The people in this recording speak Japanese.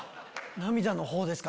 涙のほうですか。